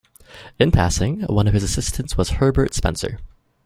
In passing, one of his assistants was Herbert Spencer.